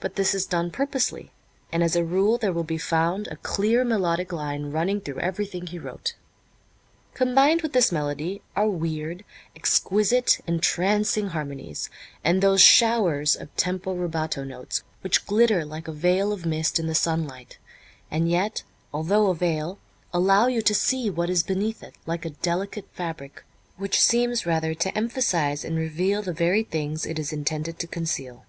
But this is done purposely, and as a rule there will be found a clear melodic line running through everything he wrote. Combined with this melody are weird, exquisite, entrancing harmonies, and those showers of tempo rubato notes which glitter like a veil of mist in the sunlight and yet, although a veil, allow you to see what is beneath it, like a delicate fabric which seems rather to emphasize and reveal the very things it is intended to conceal.